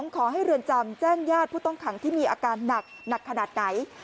ขอให้เรือนจำแจ้งญาติผู้ต้องขังที่มีอาการหนักขนาดไหน